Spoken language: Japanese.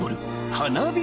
花火